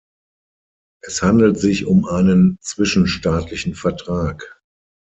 Es handelt sich um einen zwischenstaatlichen Vertrag.